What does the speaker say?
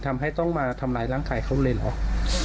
เหมือนโดนได้รับหลังตลอด